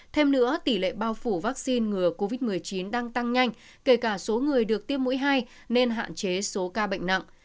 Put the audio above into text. thêm nữa tỷ lệ bao phủ vaccine ngừa covid một mươi chín đang tăng nhanh kể cả số người được tiêm mũi hai nên hạn chế số ca bệnh nặng